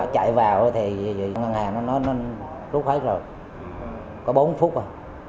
chạy vào thì ngân hàng nó rút hết rồi có bốn phút rồi